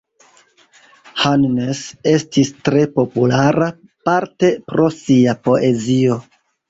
Hannes estis tre populara, parte pro sia poezio.